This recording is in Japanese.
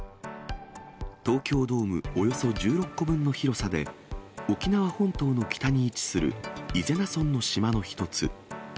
東京ドームおよそ１６個分の広さで、沖縄本島の北に位置する伊是名村の島の一つ。